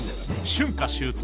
春夏秋冬」